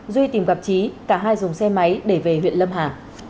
duy tìm gặp trí cả hai dùng xe máy để về huyện lâm hà